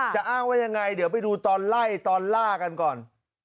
จะอ้างว่ายังไงเดี๋ยวไปดูตอนไล่ตอนล่ากันก่อน